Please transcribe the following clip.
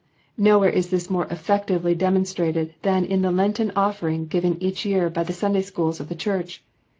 Nowhere is this more effectively demonstrated than in the Lenten offering given each year by the Sunday Schools of the church.